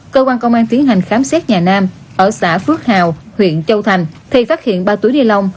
cơ quan công an tiến hành khám xét nhà nam ở xã phước hảo huyện châu thành thì phát hiện ba túy nia lông